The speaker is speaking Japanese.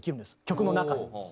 曲の中に？